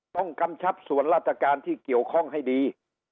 กำชับส่วนราชการที่เกี่ยวข้องให้ดี